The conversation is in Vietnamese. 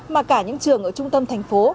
mà cả những trường ở trung tâm thành phố